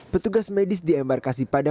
berlaku seluruh embarkasi cmib saya